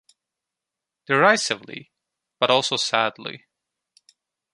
Derisively, but also sadly.